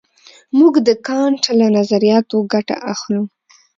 موږ د کانټ له نظریاتو ګټه اخلو.